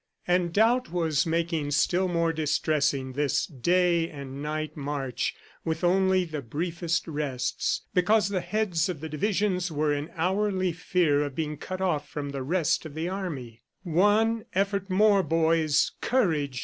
And doubt was making still more distressing this day and night march with only the briefest rests because the heads of the divisions were in hourly fear of being cut off from the rest of the army. "One effort more, boys! Courage!